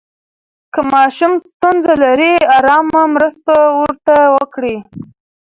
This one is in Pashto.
که ماشوم ستونزه لري، آرامه مرسته ورته وکړئ.